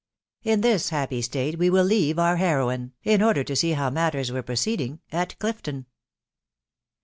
In this happy state we wiil leave ovrhamtey in oader to see how matters were proceeding at Clifton* CHAPTER XT.